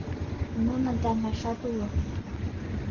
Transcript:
Нунын таҥашат уло.